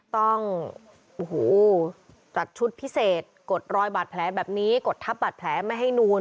ต้องจัดชุดพิเศษกดรอยบาดแผลแบบนี้กดทับบาดแผลไม่ให้นูน